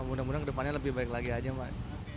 mudah mudahan ke depannya lebih baik lagi aja pak